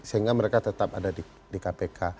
sehingga mereka tetap ada di kpk